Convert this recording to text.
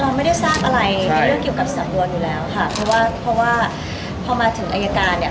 เราก็ไม่ได้ทราบอะไรไม่ได้เรื่องเกี่ยวกับสำนวนอยู่แล้วค่ะเพราะว่าพอมาถึงรายการเนี่ย